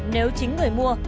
nếu chính người mua